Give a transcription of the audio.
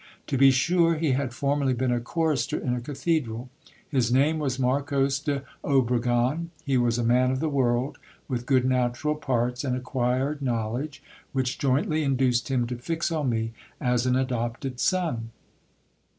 To be sure he had formerly been a chorister in a cathedral. His name was Marcos de Obregon. He was a man of the world, with good natural parts and acquired knowledge, which jointly induced him to fix on me as an adopted son.